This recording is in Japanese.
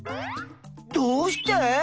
どうして？